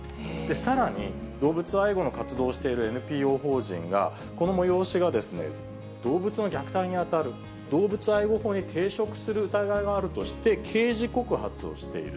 さらに、動物愛護の活動をしているＮＰＯ法人が、この催しが動物の虐待に当たる、動物愛護法に抵触する疑いがあるとして、刑事告発をしている。